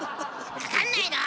分かんないの？